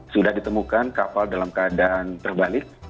sudah ditemukan kapal dalam keadaan terbalik